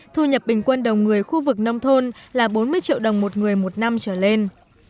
thu nhập bình quân đầu người khu vực nông thôn là bốn mươi triệu đồng một người một năm trở lên